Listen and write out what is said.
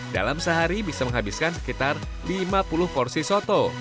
dalam sehari bisa menghabiskan sekitar lima puluh porsi soto